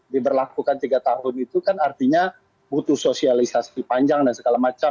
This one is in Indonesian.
diberlakukan tiga tahun itu kan artinya butuh sosialisasi panjang dan segala macam